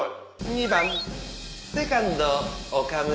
２番セカンド岡村。